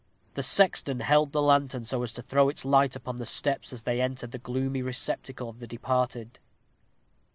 The sexton held the lantern so as to throw its light upon the steps as they entered the gloomy receptacle of the departed.